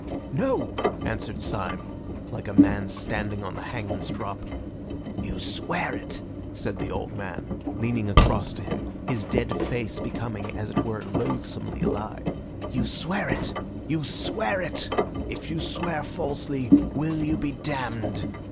"No!" answered Syme, like a man standing on the hangman's drop. "You swear it," said the old man, leaning across to him, his dead face becoming as it were loathsomely alive. "You swear it! You swear it! If you swear falsely, will you be damned?